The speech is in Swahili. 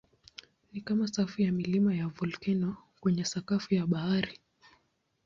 Ni kama safu ya milima ya volkeno kwenye sakafu ya bahari.